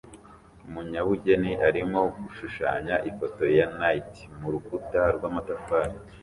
Umunyabugeni arimo gushushanya ifoto ya knight mu rukuta rw'amatafari